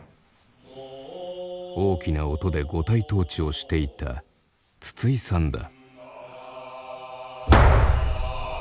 大きな音で五体投地をしていた筒井さんだ。